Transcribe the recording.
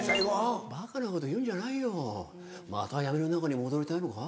「バカなこと言うんじゃないよまた闇の中に戻りたいのか？